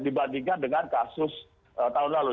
dibandingkan dengan kasus tahun lalu